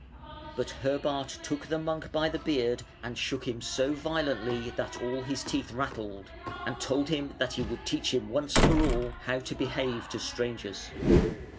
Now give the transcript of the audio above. But Herbart took the monk by the beard and shook him so violently that all his teeth rattled, and told him that he would teach him once for all how to behave to strangers.